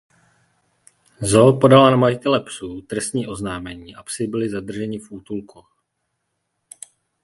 Zoo podala na majitele psů trestní oznámení a psi byli zadrženi v útulku.